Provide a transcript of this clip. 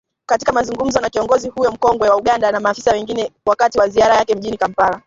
Katika mazungumzo na kiongozi huyo mkongwe wa Uganda na maafisa wengine wakati wa ziara yake mjini kampala.